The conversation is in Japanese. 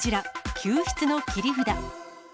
救出の切り札。